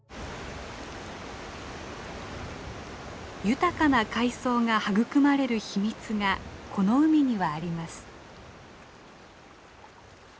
豊かな海藻が育まれる秘密がこの海にはあります。